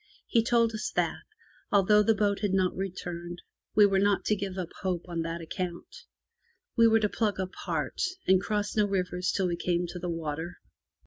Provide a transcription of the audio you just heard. He told us that, although the boat had not returned, we were not to give up hope on that account. We were to pluck up heart, and cross no rivers till we came to the water.